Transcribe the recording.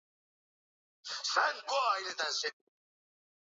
walakini si kama nitakavyo mimi bali utakavyo wewe